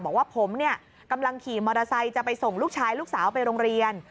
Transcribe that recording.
บอกว่าผมเนี่ยกำลังขี่มอเตอร์ไซค์จะไปส่งลูกชายลูกสาวไปโรงเรียน